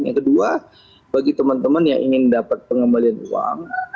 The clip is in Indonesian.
yang kedua bagi teman teman yang ingin dapat pengembalian uang